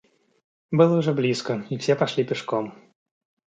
Было уже близко, и все пошли пешком.